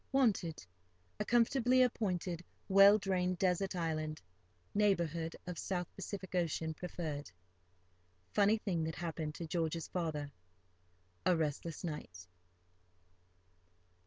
—Wanted! a comfortably appointed, well drained desert island, neighbourhood of South Pacific Ocean preferred.—Funny thing that happened to George's father.—a restless night.